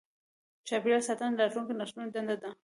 چاپېریال ساتنه د راتلونکو نسلونو دنده ده.